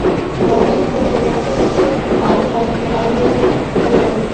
মহিম কহিলেন, আমাদের কাছে আর ভাঁড়িয়ে কী হবে বল?